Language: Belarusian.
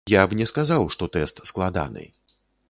Я б не сказаў, што тэст складаны.